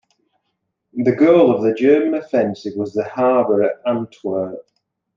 The goal of the German offensive was the harbour at Antwerp.